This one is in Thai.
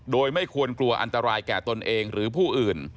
โดยไม่ควรกลัวอันตรายแก่ตนเองหรือผู้อื่น